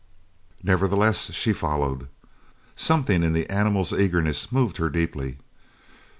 Nevertheless she followed. Something in the animal's eagerness moved her deeply.